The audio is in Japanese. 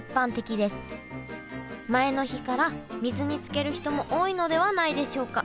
前の日から水につける人も多いのではないでしょうか。